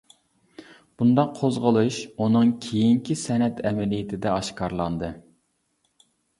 بۇنداق قوزغىلىش ئۇنىڭ كېيىنكى سەنئەت ئەمەلىيىتىدە ئاشكارىلاندى.